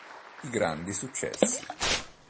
I grandi successi